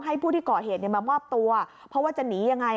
ผู้ที่ก่อเหตุมามอบตัวเพราะว่าจะหนียังไง